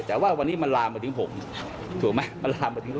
แต่ว่าวันนี้มันลามมาถึงผมถูกไหมมันลามมาถึง